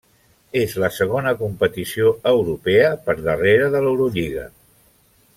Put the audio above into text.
És la segona competició europea per darrere de l'Eurolliga.